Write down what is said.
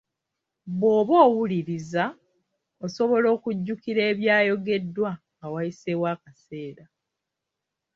Bw'oba owulirizza, osobola okujjukira ebyayogeddwa nga wayiseeyo akaseera.